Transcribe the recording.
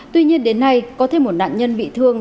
tuy nhiên đến nay có thêm một nạn nhân bị thương